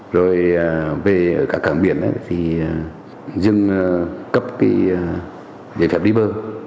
rồi về các cảng biển thì dừng cấp giải pháp đi bơ